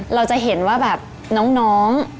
เราจะเห็นว่าแบบน้อง